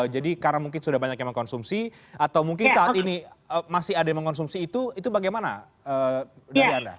jadi karena mungkin sudah banyak yang mengkonsumsi atau mungkin saat ini masih ada yang mengkonsumsi itu itu bagaimana dari anda